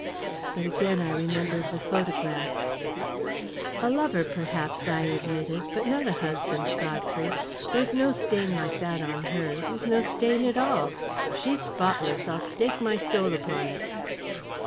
But again I remembered the photograph. "A lover, perhaps," I admitted, "but not a husband, Godfrey. There's no stain like that on her there's no stain at all. She's spotless I'll stake my soul upon it!"